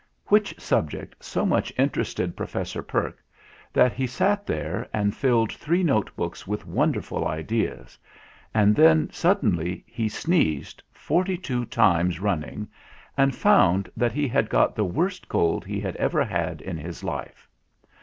Which subject so much interested Professor Perke, that he sat there and filled three notebooks with wonderful ideas; and then suddenly he sneezed forty two times run ning, and found that he had got the worst cold he had ever had in his life.